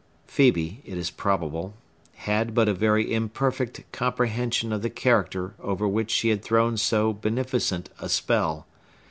Phœbe, it is probable, had but a very imperfect comprehension of the character over which she had thrown so beneficent a spell.